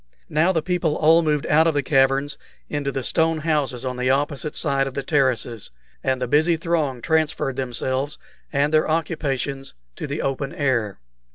Now the people all moved out of the caverns into the stone houses on the opposite side of the terraces, and the busy throng transferred themselves and their occupations to the open air.